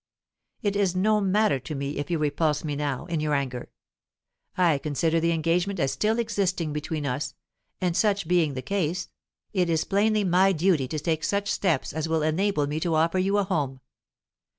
It is no matter to me if you repulse me now, in your anger. I consider the engagement as still existing between us, and, such being the ease, it is plainly my duty to take such steps as will enable me to offer you a home.